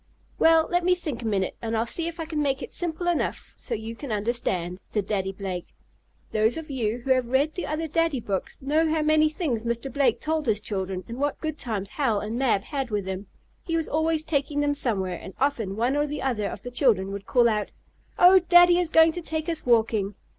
"Well, let me think a minute, and I'll see if I can make it simple enough so you can understand," said Daddy Blake. Those of you who have read the other "Daddy" books know how many things Mr. Blake told his children, and what good times Hal and Mab had with him. He was always taking them somewhere, and often one or the other of the children would call out: "Oh, Daddy is going to take us walking!"